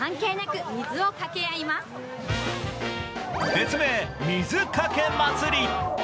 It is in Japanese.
別名、水かけ祭り。